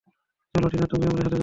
চলো টিনা তুমিও আমাদের সাথে যাবে।